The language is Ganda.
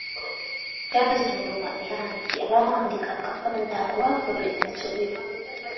Kyazuulwa era nti abaawandiika akapande ako baakola ensobi.